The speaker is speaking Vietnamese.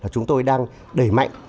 chúng tôi đang đẩy mạnh